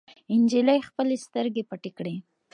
نجلۍ خپلې سترګې پټې کړې.